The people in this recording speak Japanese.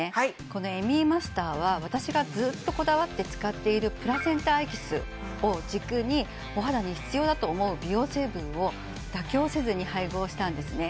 このＭＥマスターは私がずっとこだわって使っているプラセンタエキスを軸にお肌に必要だと思う美容成分を妥協せずに配合したんですね